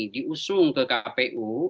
diusung ke kpu